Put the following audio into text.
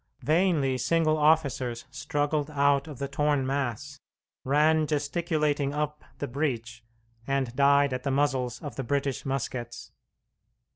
Vainly single officers struggled out of the torn mass, ran gesticulating up the breach, and died at the muzzles of the British muskets.